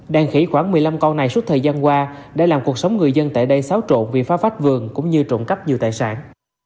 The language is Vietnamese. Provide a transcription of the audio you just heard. đàn khỉ khoảng một mươi năm con này suốt thời gian qua đã làm cuộc sống người dân tại đây xáo trộn vì phá phách vườn cũng như trộm cắp nhiều tài sản